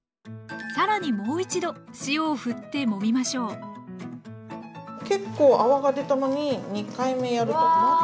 更にもう一度塩をふってもみましょう結構泡が出たのに２回目やるとまた。